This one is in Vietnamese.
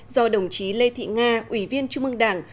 do đồng chí lê thị nga ủy viên trung ương đảng